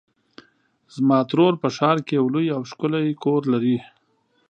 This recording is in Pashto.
زما ترور په ښار کې یو لوی او ښکلی کور لري.